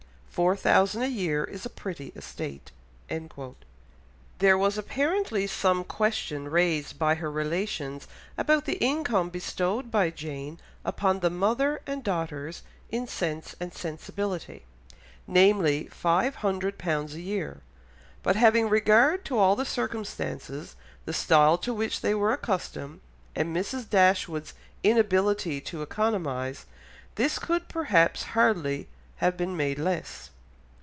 Four thousand a year is a pretty estate.'" There was apparently some question raised by her relations about the income bestowed by Jane upon the mother and daughters in Sense and Sensibility, namely, five hundred pounds a year. But having regard to all the circumstances, the style to which they were accustomed, and Mrs. Dashwood's inability to economise, this could perhaps hardly have been made less.